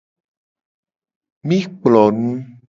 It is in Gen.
Mi kplo nu.